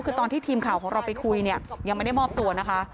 คือตอนที่ทีมข่าวของเราไปคุยเนี่ยยังไม่ได้มอบตัวนะคะ